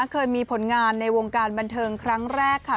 เคยมีผลงานในวงการบันเทิงครั้งแรกค่ะ